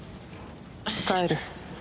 帰る。